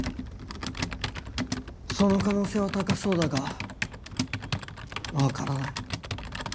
その可能性は高そうだがわからない。